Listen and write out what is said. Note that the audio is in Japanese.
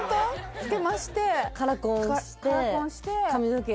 つけましてカラコンしてカラコンして髪の毛